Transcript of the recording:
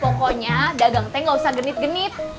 pokoknya dagang teh gak usah genit genit